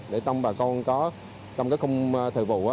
để trong các khung thời vụ